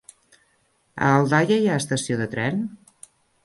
A Aldaia hi ha estació de tren?